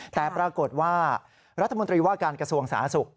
แต่ปรากฏว่ารัฐมนตรีว่าการกระทรวงสาธารณสุข